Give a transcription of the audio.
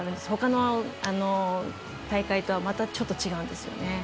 ほかの大会とはまた、ちょっと違うんですよね。